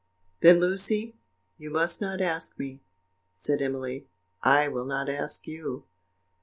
"Then, Lucy, you must not ask me," said Emily; "I will not ask you."